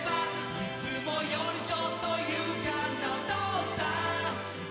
「いつもよりちょっと勇敢なお父さん」